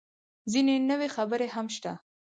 _ځينې نورې خبرې هم شته.